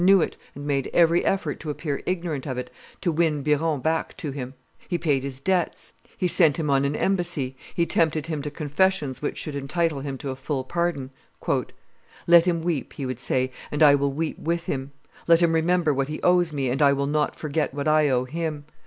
knew it, and made every effort to appear ignorant of it, to win Biron back to him; he paid his debts; he sent him on an embassy he tempted him to confessions which should entitle him to a full pardon. "Let him weep," he would say, "and I will weep with him; let him remember what he owes me, and I will not forget what I owe him.